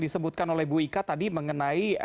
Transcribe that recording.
disebutkan oleh bu ika tadi mengenai